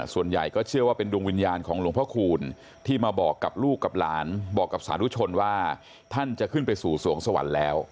ส่วนใหญ่ก็เชื่อว่าเป็นดวงวิญญาณของหลวงพ่อคูณที่มาบอกกับลูกกับหลานบอกกับสาธุชนว่าท่านจะขึ้นไปสู่สวงสวรรค์แล้ว